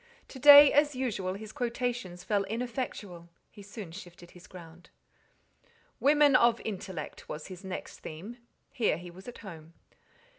To day, as usual, his quotations fell ineffectual: he soon shifted his ground. "Women of intellect" was his next theme: here he was at home.